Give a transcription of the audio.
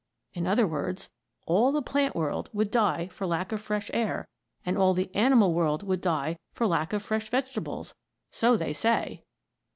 In other words, all the plant world would die for lack of fresh air and all the animal world would die for lack of fresh vegetables. So they say!